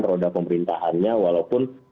roda pemerintahannya walaupun